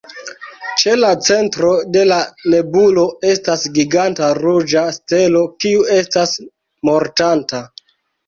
Ĉe la centro de la nebulo estas giganta ruĝa stelo, kiu estas mortanta.